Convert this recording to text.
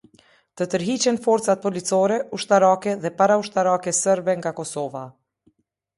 Të tërhiqen forcat policore, ushtarake dhe paraushtarake serbe nga Kosova.